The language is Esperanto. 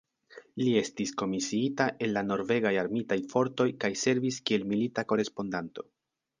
Li estis komisiita en la norvegaj Armitaj Fortoj kaj servis kiel milita korespondanto.